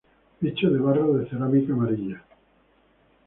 Hecho de barro de cerámica amarilla.